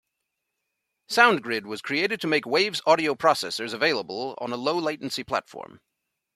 SoundGrid was created to make Waves audio processors available on a low-latency platform.